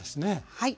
はい。